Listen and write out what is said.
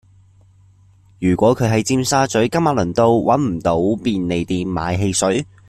如果佢喺尖沙咀金馬倫道搵唔到便利店買汽水